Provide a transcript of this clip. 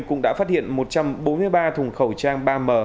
cũng đã phát hiện một trăm bốn mươi ba thùng khẩu trang ba m